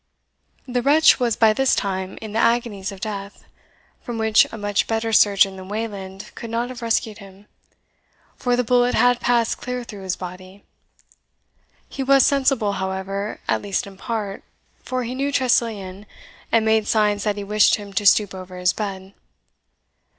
The wretch was by this time in the agonies of death, from which a much better surgeon than Wayland could not have rescued him, for the bullet had passed clear through his body. He was sensible, however, at least in part, for he knew Tressilian, and made signs that he wished him to stoop over his bed.